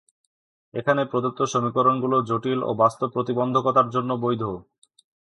এখানে প্রদত্ত সমীকরণগুলো জটিল ও বাস্তব প্রতিবন্ধকতার জন্য বৈধ।